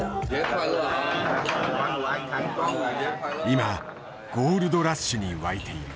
今ゴールドラッシュに沸いている。